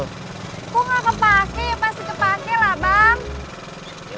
kok gak kepake pasti kepake lah bang